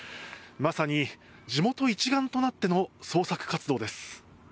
まさに地元一丸となっての捜索活動です。